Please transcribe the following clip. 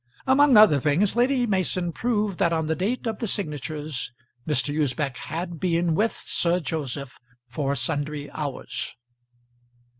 Among other things Lady Mason proved that on the date of the signatures Mr. Usbech had been with Sir Joseph for sundry hours.